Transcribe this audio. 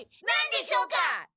何でしょうか？